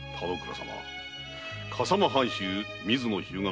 笠間藩主・水野日向